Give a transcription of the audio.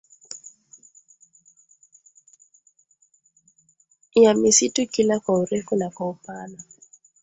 ya misitu kila kwa urefu na kwa upana